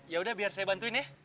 ya udah biar saya bantuin ya